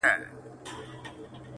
د سرو سونډو په لمبو کي د ورک سوي یاد دی